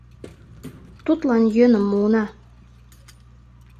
Тудлан йӧным муына.